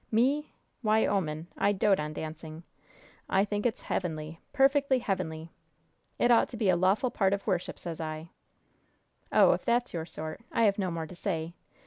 Me? Why, 'oman, I dote on dancing! I think it's heavenly perfectly heavenly! It ought to be a lawful part of worship, sez I!" "Oh, if that's your sort, I have no more to say!